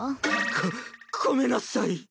ごごめんなさい。